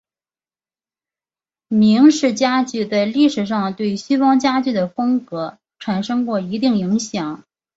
明式家具在历史上对西方家具的风格产生过一定影响。